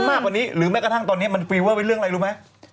มากกว่านี้หรือแม้กระทั่งตอนนี้มันฟีลเวอร์ไปเรื่องอะไรรู้ไหม